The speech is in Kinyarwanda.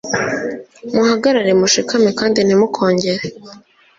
muhagarare mushikamye kandi ntimukongere